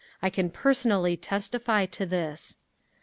I can personally testify to this….